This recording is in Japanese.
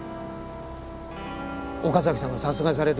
岡崎さんが殺害される